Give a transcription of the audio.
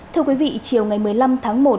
thưa quý vị chiều ngày một mươi năm tháng một